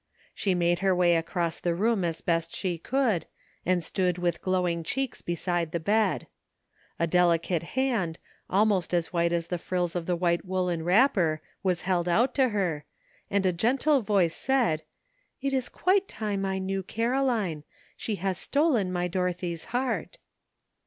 She made her way across the room as best she could, and stood with glowing cheeks beside the bed. A delicate hand, almost as white as the frills of the white woollen wrapper, was held out to her, and a gentle voice said, "It is quite time I knew Caroline; she has stolen my Dorothy's heart."